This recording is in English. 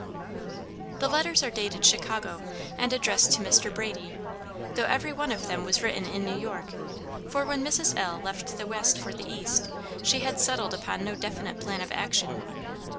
The letters are dated Chicago, and addressed to Mr. Brady, though every one of them was written in New York; for when Mrs. L. left the West for the East, she had settled upon no definite plan of action.